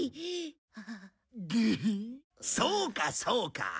そうかそうか。